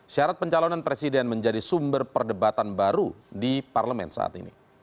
syarat pencalonan presiden menjadi sumber perdebatan baru di parlemen saat ini